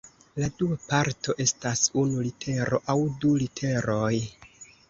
La dua parto estas unu litero aŭ du literoj.